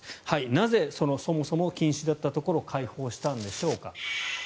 なぜそもそも禁止だったところを開放したんでしょうか。